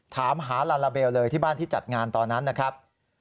ถามหาลาลาเบลเลยที่บ้านที่จัดงานตอนนั้นนะครับ